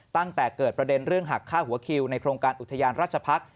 ตั้งแต่เกิดประเด็นเรื่องหักฆ่าหัวคิวในโครงการอุทยานราชพักษ์